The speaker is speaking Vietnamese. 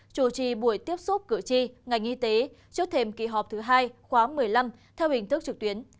chủ trì buổi tiếp xúc cửa chi ngành y tế trước thêm kỳ họp thứ hai khóa một mươi năm theo hình thức trực tuyến